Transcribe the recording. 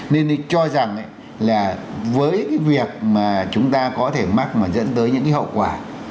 nên cho rằng là với cái việc mà chúng ta có thể mắc mà dẫn tới những cái hậu quả